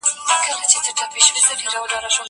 زه پرون لاس مينځلی و.